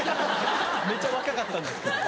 めっちゃ若かったんですけど。